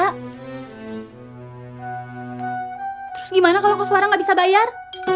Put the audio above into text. terus gimana kalau kos warang gak bisa bayar